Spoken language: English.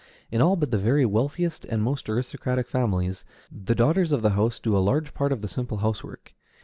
In all but the very wealthiest and most aristocratic families, the daughters of the house do a large part of the simple housework.